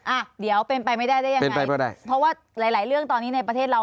อ่ะเดี๋ยวเป็นไปไม่ได้ได้ยังไงก็ได้เพราะว่าหลายหลายเรื่องตอนนี้ในประเทศเรา